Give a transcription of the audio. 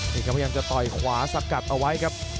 เห็นไหมครับยังจะต่อยขวาสกัดเอาไว้ครับ